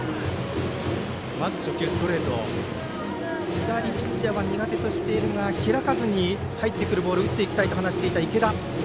左ピッチャーは苦手としているが開かずに入ってくるボールを打っていきたいと話していた池田。